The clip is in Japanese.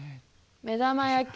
目玉焼き。